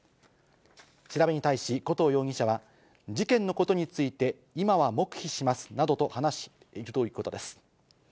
調べに対し、古東容疑者は、事件のことについて、今は黙秘しますなどと話しているということです。